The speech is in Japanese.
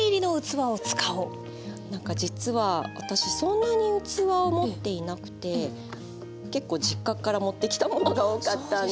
なんか実は私そんなに器を持っていなくて結構実家から持ってきたものが多かったんで。